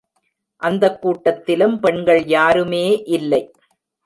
அந்தக் கூட்டத்திலும் பெண்கள் யாருமே இல்லை.